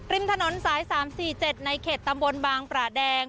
ริมถนนสาย๓๔๗ในเขตตำบลบางประแดง